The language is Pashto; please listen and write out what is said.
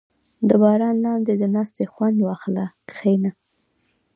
• د باران لاندې د ناستې خوند واخله، کښېنه.